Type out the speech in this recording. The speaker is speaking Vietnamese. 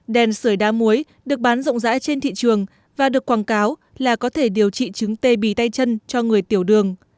đèn sửa đá muối được bán rộng rãi trên thị trường và được quảng cáo là có thể điều trị chứng tê bì tay chân cho người tiểu đường